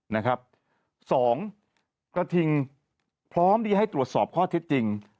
นะครับสองกระทิงพร้อมที่ให้ตรวจสอบข้อเท็จจริง